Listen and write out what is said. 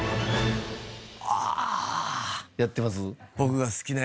やってます？